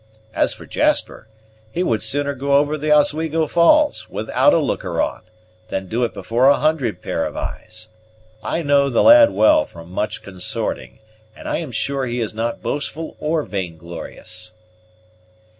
As for Jasper, he would sooner go over the Oswego Falls, without a looker on, than do it before a hundred pair of eyes. I know the lad well from much consorting, and I am sure he is not boastful or vainglorious."